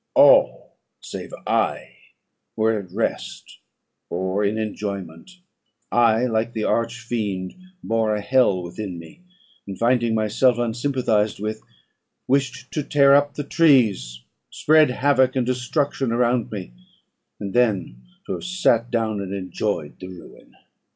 All, save I, were at rest or in enjoyment: I, like the arch fiend, bore a hell within me; and, finding myself unsympathised with, wished to tear up the trees, spread havoc and destruction around me, and then to have sat down and enjoyed the ruin.